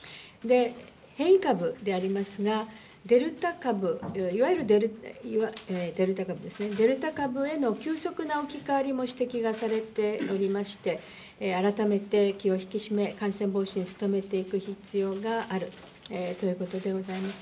変異株でありますが、デルタ株、いわゆるデルタ株ですね、デルタ株への急速な置き換わりも指摘がされておりまして、改めて気を引き締め、感染防止に努めていく必要があるということでございます。